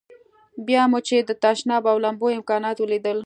بیا مو چې د تشناب او لمبو امکانات ولیدل.